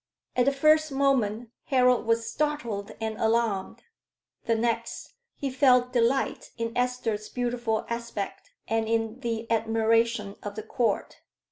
At the first moment Harold was startled and alarmed; the next, he felt delight in Esther's beautiful aspect, and in the admiration of the Court.